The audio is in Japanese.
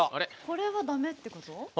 これはダメってこと？